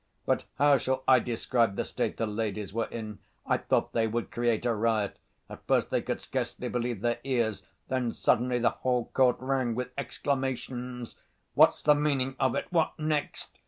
But how shall I describe the state the ladies were in? I thought they would create a riot. At first they could scarcely believe their ears. Then suddenly the whole court rang with exclamations: "What's the meaning of it? What next?"